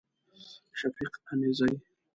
شفیق امیرزی